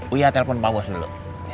uyaa telepon pak bos dulu